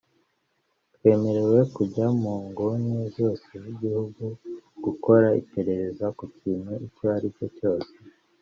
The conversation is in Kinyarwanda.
“Twemerewe kujya mu nguni zose z’igihugu gukora iperereza ku kintu icyo ari cyo cyose